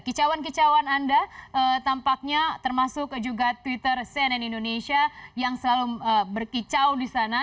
kicauan kicauan anda tampaknya termasuk juga twitter cnn indonesia yang selalu berkicau di sana